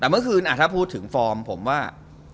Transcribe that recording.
แต่เมื่อคืนถ้าพูดถึงฟอร์มผมว่า